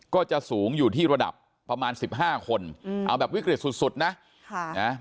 ก็จะสูงอยู่ที่ระดับประมาณสิบห้าคนอืมเอาแบบวิกฤตสุดสุดนะค่ะนะ